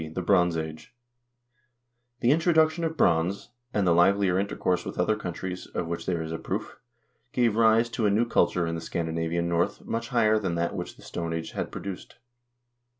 The Bronze Age The introduction of bronze, and the livelier intercourse with other countries, of which this is a proof, gave rise to a new culture in the Scandinavian North much higher than that which the Stone Age had produced.